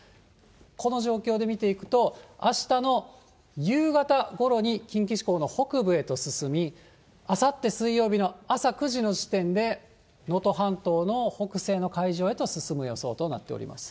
この状況で見ていくと、あしたの夕方ごろに近畿地方の北部へと進み、あさって水曜日の朝９時の時点で、能登半島の北西の海上へと進む予想となっております。